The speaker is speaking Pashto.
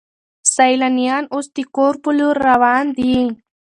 سیلانیان اوس د کور په لور روان دي.